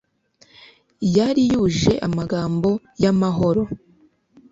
yari yuje amagambo y'amahoro